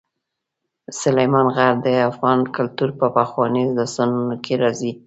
سلیمان غر د افغان کلتور په پخوانیو داستانونو کې راځي.